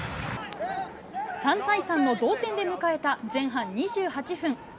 ３対３の同点で迎えた前半２８分。